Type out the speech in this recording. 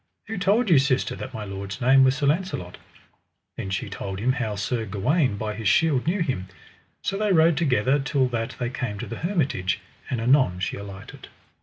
Who told you, sister, that my lord's name was Sir Launcelot? Then she told him how Sir Gawaine by his shield knew him. So they rode together till that they came to the hermitage, and anon she alighted.